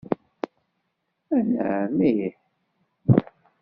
Anɛam, ih.